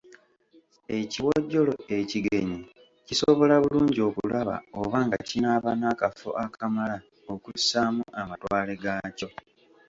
Ekiwojjolo ekigenyi kisobola bulungi okulaba oba nga kinaaba n’akafo akamala okussaamu amatwale gaakyo.